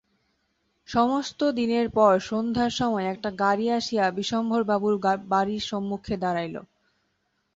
সমস্ত দিনের পর সন্ধ্যার সময় একটা গাড়ি আসিয়া বিশ্বম্ভরবাবুর বাড়ির সম্মুখে দাঁড়াইল।